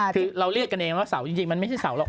คือเราเรียกกันเองว่าเสาจริงมันไม่ใช่เสาหรอก